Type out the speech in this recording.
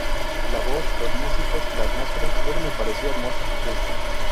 La voz, los músicos, la atmósfera, todo me pareció hermoso y justo.